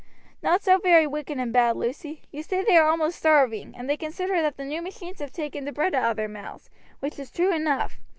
"Not so very wicked and bad, Lucy. You see they are almost starving, and they consider that the new machines have taken the bread out of their mouths, which is true enough.